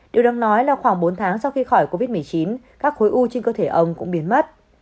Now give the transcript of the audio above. điều đang nói là khoảng bốn tháng sau khi khỏi covid một mươi chín các khối u trên cơ thể ông cũng biến mất